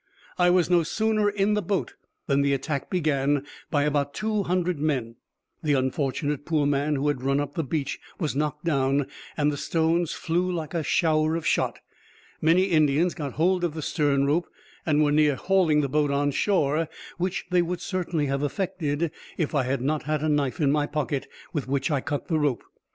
I was no sooner in the boat than the attack began by about two hundred men; the unfortunate poor man who had run up the beach was knocked down, and the stones flew like a shower of shot. Many Indians got hold of the stern rope, and were near hauling the boat on shore, which they would certainly have effected, if I had not had a knife in my pocket, with which I cut the rope.